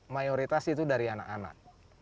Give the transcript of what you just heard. mayoritas itu dari anak anak